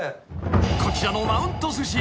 ［こちらのマウント寿司。